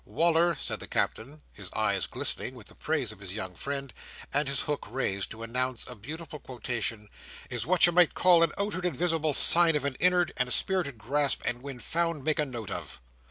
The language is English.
Wal"r," said the Captain, his eyes glistening with the praise of his young friend, and his hook raised to announce a beautiful quotation, "is what you may call a out'ard and visible sign of an in'ard and spirited grasp, and when found make a note of."